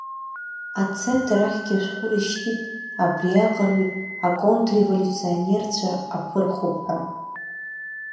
Ацентр ахьгьы ашәҟәы рышьҭит абриаҟараҩык аконтрреволиуционерцәа аԥырхуп ҳәа.